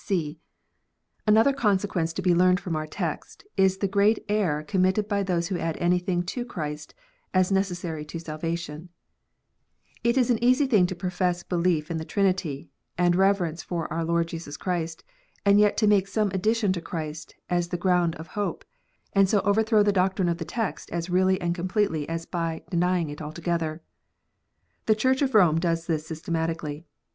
(c) Another consequence to be learned from our text, is the great error committed by those who add anything to Christy as necessary to salvation. It is an easy thing to profess belief in the Trinity, and rever ence for our Lord Jesus Christ, and yet to make some addition to Christ as the ground of hope, and so to overthrow the doctrine of the text as really and completely as by denying it altogether. The Church of Rome does this systematically.